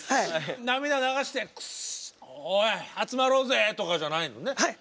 涙流して「くっそおい集まろうぜ」とかじゃないのね。